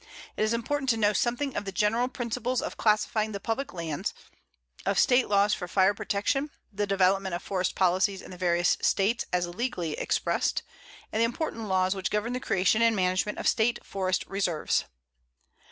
It is important to know something of the general principles of classifying the public lands, of State laws for fire protection, the development of forest policies in the various States as legally expressed, and the important laws which govern the creation and management of State forest reserves.